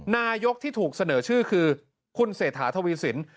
นายกที่ถูกเสนอชื่อคือคุณเศรษฐาทวีสิน